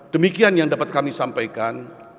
demikian yang dapat kami sampaikan